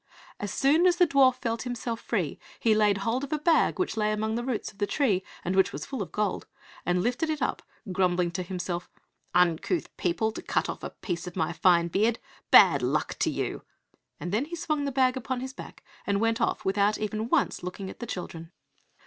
As soon as the dwarf felt himself free he laid hold of a bag which lay amongst the roots of the tree, and which was full of gold, and lifted it up, grumbling to himself, "Uncouth people, to cut off a piece of my fine beard. Bad luck to you!" and then he swung the bag upon his back, and went off without even once looking at the children.